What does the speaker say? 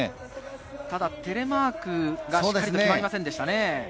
ただテレマークがしっかりと決まりませんでした。